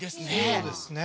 そうですね